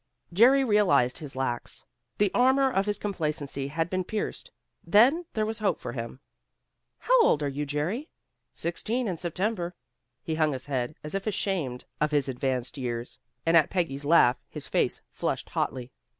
Jerry realized his lacks. The armor of his complacency had been pierced. Then there was hope for him. "How old are you, Jerry?" "Sixteen in September." He hung his head, as if ashamed of his advanced years. And at Peggy's laugh, his face flushed hotly.